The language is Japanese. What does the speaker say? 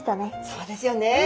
そうですよね。